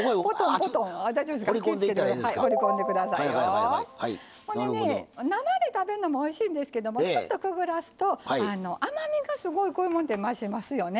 ほんでね生で食べるのもおいしいんですけどもちょっとくぐらすと甘みがすごいこういうものて増しますよね。